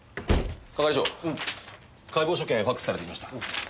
係長解剖所見ファクスされてきました。